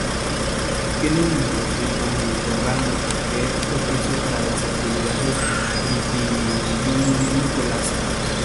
Tiene un micro-clima mediterráneo que es propicio para las actividades vitivinícolas.